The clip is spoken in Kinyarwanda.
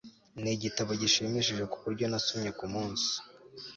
Nigitabo gishimishije kuburyo nasomye kumunsi